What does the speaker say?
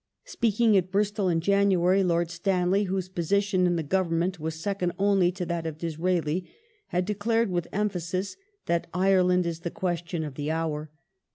Speak ing at Bristol in January, Lord Stanley, whose position in the Government was second only to that of Disraeli, had declai ed with emphasis that "Ireland is the question of the hour